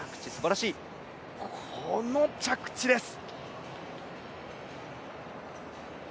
この着地です。